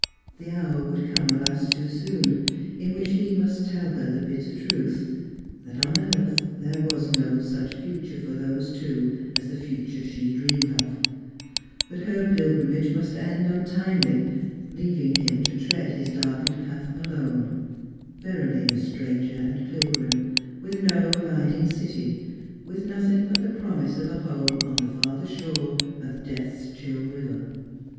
The hour would come, alas too soon, in which he must tell her the bitter truth ; that on earth there was no such future for those two as the future she dreamed of; that her pilgrimage must end untimely, leaving liim to tread his darkened path alone, verily a stranger and a pilgrim, with no abiding city, with nothing but the promise of jL home on the farther shore of Death's chill river.